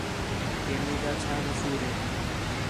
کہ مینجا چَھا قصور ہِے